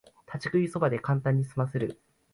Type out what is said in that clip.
立ち食いそばでカンタンにすませる